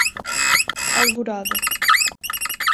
Alvorada